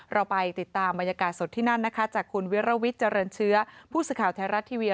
เราไปติดตามบรรยากาศสดที่นั่นนะคะจากคุณวิรวิทย์เจริญเชื้อผู้สื่อข่าวไทยรัฐทีวี